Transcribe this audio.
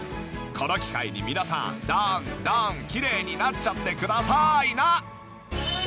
この機会に皆さんどんどんきれいになっちゃってくださいな！